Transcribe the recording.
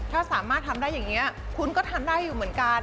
ถ้าสามารถทำได้อย่างนี้คุณก็ทำได้อยู่เหมือนกัน